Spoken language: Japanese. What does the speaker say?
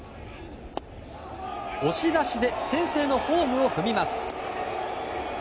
押し出しで先制のホームを踏みます。